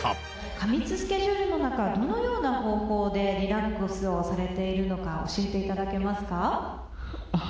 過密スケジュールの中、どのような方法で、リラックスをされているのか教えていただけますか。